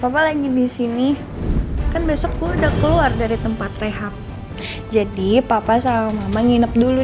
papa lagi di sini kan besok udah keluar dari tempat rehab jadi papa sama mama nginep dulu